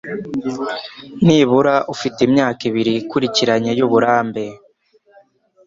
nibura ufite imyaka ibiri ikurikiranye y uburambe